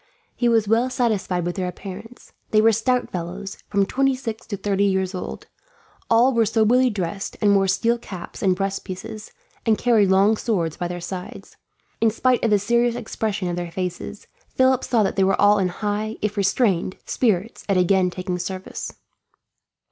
He was well satisfied with their appearance. They were stout fellows, from twenty six to thirty years old. All were soberly dressed, and wore steel caps and breast pieces, and carried long swords by their sides. In spite of the serious expression of their faces, Philip saw that all were in high, if restrained, spirits at again taking service.